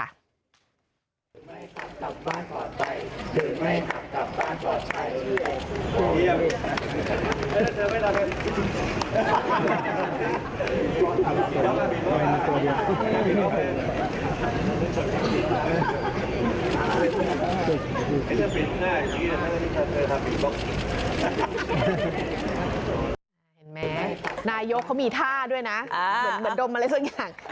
เห็นไหมนายกเขามีท่าด้วยนะเหมือนดมอะไรสักอย่าง